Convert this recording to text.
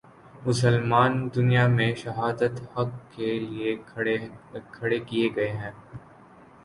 مسلمان دنیا میں شہادت حق کے لیے کھڑے کیے گئے ہیں۔